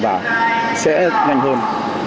và sẽ nhanh hơn